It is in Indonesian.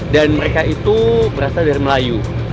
dan mereka itu berasal dari melayu